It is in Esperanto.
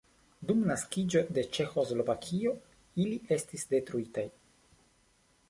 Dum naskiĝo de Ĉeĥoslovakio ili estis detruitaj.